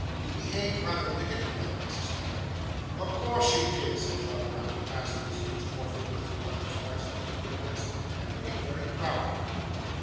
'You behaved rather wickedly there, I suspect.' 'O' course she did,' said John Browdie, passing his huge forefinger through one of his wife's pretty ringlets, and looking very proud of her.